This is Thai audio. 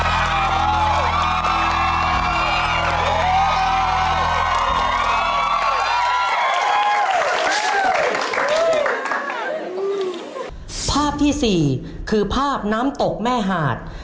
น้ำตกแม่หาดคืออีกหนึ่งสถานที่ท่องเที่ยวธรรมชาติ